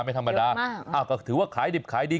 ไม่ธรรมดาก็ถือว่าขายดิบขายดี